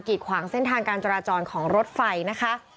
ขวางเส้นทางการจราจรของรถไฟนะคะ